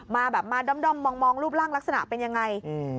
มาดำมองรูปร่างลักษณะเป็นยังไง